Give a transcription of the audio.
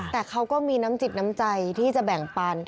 แต่เขาก็มีน้ำจิตน้ำใจที่จะแบ่งปัน